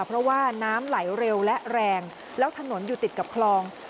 เพราะว่าน้ำไหลเร็วและแรงแล้วถนนอยู่ติดกับคลอง